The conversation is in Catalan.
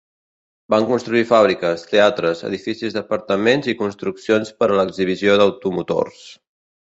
Van construir fàbriques, teatres, edificis d'apartaments i construccions per a l'exhibició d'automotors.